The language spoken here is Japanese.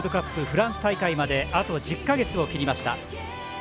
フランス大会まであと１０か月を切りました。